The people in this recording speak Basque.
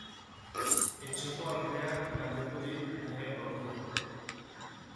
Etxekoandreak galdetu dit lehen orduan.